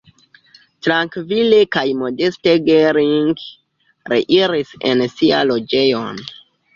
Trankvile kaj modeste Gering reiris en sian loĝejon.